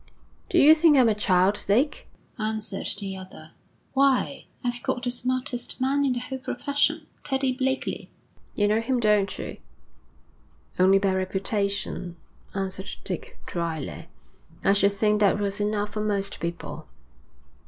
'Do you think I'm a child, Dick?' answered the other. 'Why, I've got the smartest man in the whole profession, Teddie Blakeley you know him, don't you?' 'Only by reputation,' answered Dick drily. 'I should think that was enough for most people.'